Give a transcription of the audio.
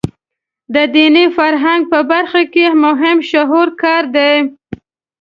د دیني فرهنګ په برخه کې مهم شعوري کار دی.